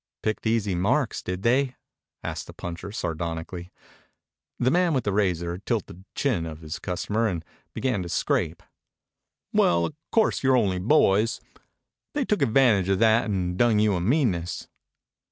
"Picked easy marks, did they?" asked the puncher sardonically. The man with the razor tilted the chin of his customer and began to scrape. "Well, o'course you're only boys. They took advantage of that and done you a meanness."